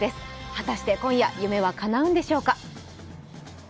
果たして今夜夢はかなうんでしょうか。